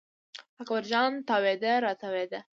اکبر جان تاوېده را تاوېده.